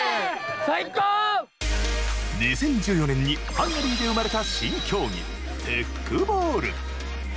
２０１４年にハンガリーで生まれた新競技、テックボール。